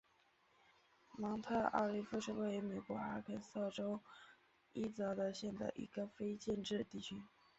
芒特奥利夫是位于美国阿肯色州伊泽德县的一个非建制地区。